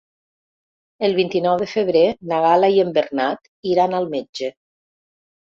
El vint-i-nou de febrer na Gal·la i en Bernat iran al metge.